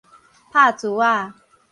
拍珠仔